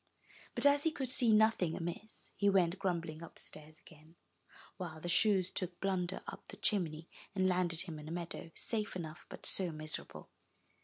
But as he could see nothing amiss, he went grumbling upstairs again, while the shoes took Blunder up the chimney, and landed him in a meadow, safe enough, but so miserable!